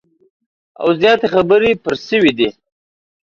او زیاتي خبري پر سوي دي